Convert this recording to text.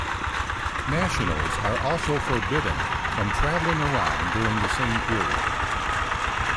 Nationals are also forbidden from travelling around during the same period.